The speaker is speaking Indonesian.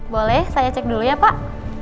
boleh saya cek dulu ya pak